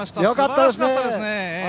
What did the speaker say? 良かったですね